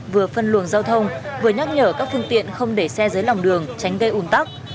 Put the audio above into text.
vừa phân luồng giao thông vừa nhắc nhở các phương tiện không để xe dưới lòng đường tránh gây ủn tắc